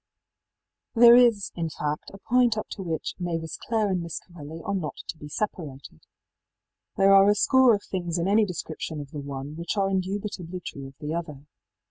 í There is, in fact, a point up to which ëMavis Clareí and Miss Corelli are not to be separated. There are a score of things in any description of the one which are indubitably true of the other.